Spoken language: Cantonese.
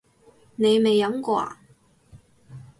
你未飲過呀？